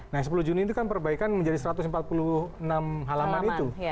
nah sepuluh juni itu kan perbaikan menjadi satu ratus empat puluh enam halaman itu